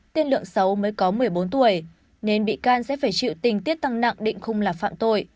tiên lượng xấu mới có một mươi bốn tuổi nên bị can sẽ phải chịu tình tiết tăng nặng định khung là phạm tội